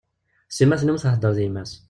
Sima tennum thedder d yemma-s.